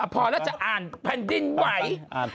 พอแล้วจะอ่านแผ่นดินไหว